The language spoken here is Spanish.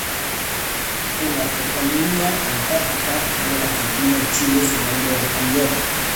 En la toponimia antártica de Argentina y Chile, su nombre ha cambiado.